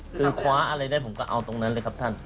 คือคว้าอะไรได้ผมก็เอาตรงนั้นเลยครับท่าน